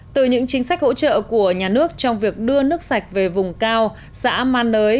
từ những chính sách hỗ trợ của nhà nước trong việc đưa nước sạch về vùng cao xã man nới